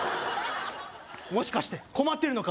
もしかして困ってるのか？